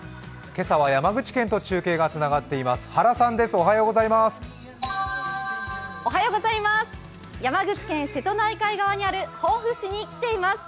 今朝は山口県と中継がつながっています。